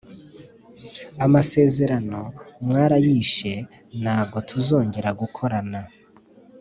Amasezerano mwarayishe nago tuzongera gukorana